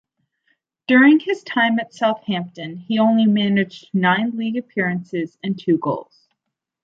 During his time at Southampton he only managed nine league appearances and two goals.